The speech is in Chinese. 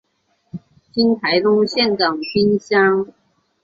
今台东县长滨乡。